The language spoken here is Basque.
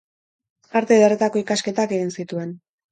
Arte Ederretako ikasketak egin zituen.